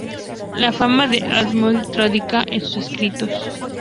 La fama de Arndt radica en sus escritos.